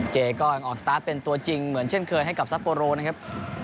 เจก็ยังออกสตาร์ทเป็นตัวจริงเหมือนเช่นเคยให้กับซัปโปโรนะครับ